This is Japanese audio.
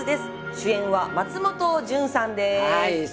主演は松本潤さんです。